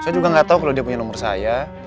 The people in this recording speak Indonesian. saya juga gak tau kalo dia punya nomor saya